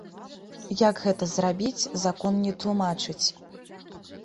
Як гэта зрабіць, закон не тлумачыць.